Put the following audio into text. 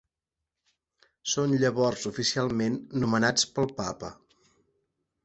Són llavors oficialment nomenats pel Papa.